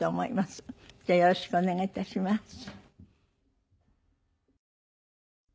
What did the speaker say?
じゃあよろしくお願いいたします。